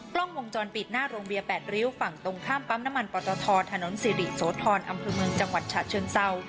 กล้องวงจรปิดหน้าโรงเบียร์๘ริ้วฝั่งตรงข้ามปั๊มน้ำมันปตทถนนสิริโสธรอำเภอเมืองจังหวัดฉะเชิงเศร้า